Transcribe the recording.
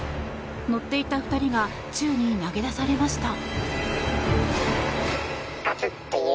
乗っていた２人が宙に投げ出されました。